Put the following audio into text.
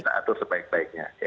kita atur sebaik baiknya